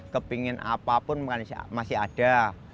kepingin apapun masih ada